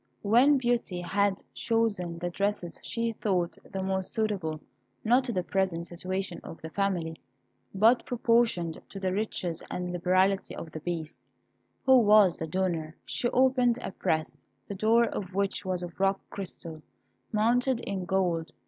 When Beauty had chosen the dresses she thought the most suitable, not to the present situation of the family, but proportioned to the riches and liberality of the Beast, who was the donor, she opened a press, the door of which was of rock crystal, mounted in gold.